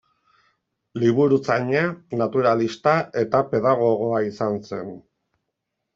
Liburuzaina, naturalista eta pedagogoa izan zen.